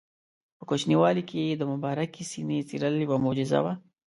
په کوچنیوالي کې یې د مبارکې سینې څیرل یوه معجزه وه.